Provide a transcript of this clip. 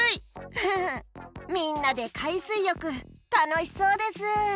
フフッみんなでかいすいよくたのしそうです。